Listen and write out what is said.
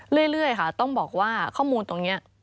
เรื่อยค่ะต้องบอกว่าข้อมูลตรงนี้